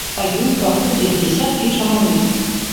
Па ёй праходзяць дзясяткі чалавек.